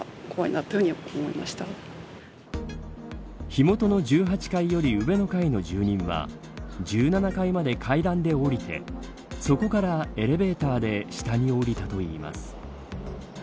火元の１８階より上の階の住人は１７階まで階段で降りてそこからエレベーターで下に降りたといいます。